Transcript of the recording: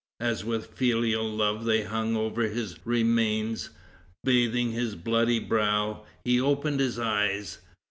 As with filial love they hung over his remains, bathing his bloody brow, he opened his eyes.